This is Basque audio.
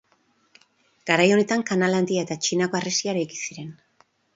Garai honetan Kanal Handia eta Txinako Harresia eraiki ziren.